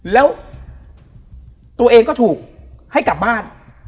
แล้วตัวเองก็ถูกให้กลับบ้าน